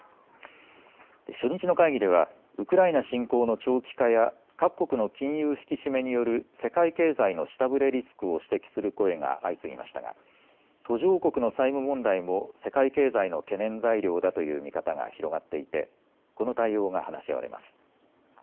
初日の会議ではウクライナ侵攻の長期化や各国の金融引き締めによる世界経済の下振れリスクを指摘する声が相次ぎましたが途上国の債務問題も世界経済の懸念材料だという見方が広がっていてこの対応が話し合われます。